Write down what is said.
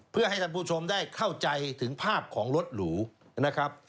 เพื่อให้ท่านผู้ชมได้เข้าใจถึงภาพของรถหรูนะครับ